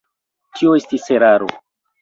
Tio estis eraro.